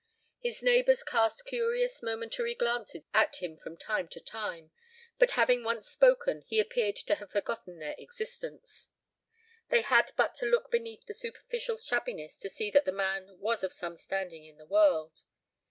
His neighbors cast curious momentary glances at him from time to time, but having once spoken he appeared to have forgotten their existence. They had but to look beneath the superficial shabbiness to see that the man was of some standing in the world.